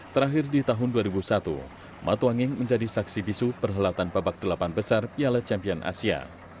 terakhir di tahun dua ribu satu matuanging menjadi saksi bisu perhelatan babak delapan besar piala champion asia